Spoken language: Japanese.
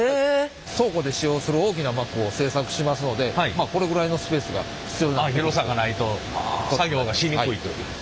倉庫で使用する大きな膜を製作しますのでこれぐらいのスペースが必要になります。